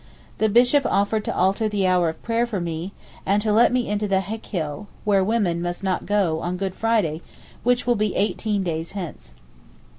The bishop offered to alter the hour of prayer for me, and to let me into the Heykel (where women must not go) on Good Friday, which will be eighteen days hence.